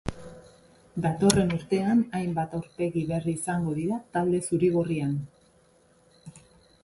Datorren urtean hainbat aurpegi berri izango dira talde zuri-gorrian.